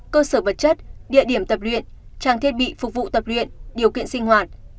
cơ sở vật chất địa điểm tập luyện trang thiết bị phục vụ tập luyện điều kiện sinh hoạt